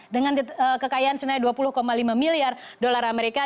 dengan kekayaan senilai dua puluh lima miliar dolar amerika